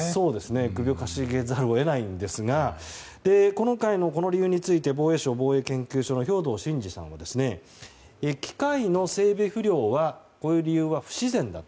首をかしげざるを得ないんですが今回の、この理由について防衛省防衛研究所の兵頭慎治さんは機械の整備不良という理由は不自然だ。